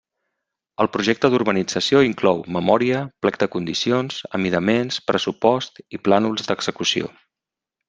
El projecte d'urbanització inclou memòria, plec de condicions, amidaments, pressupost i plànols d'execució.